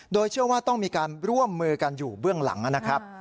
โดยเชื่อว่าต้องมีการร่วมมือกันอยู่เบื้องหลังนะครับ